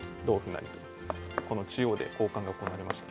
成とこの中央で交換が行われまして。